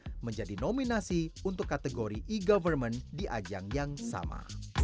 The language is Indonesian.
indonesia menjadi nominasi untuk kategori e government di ajang yang sama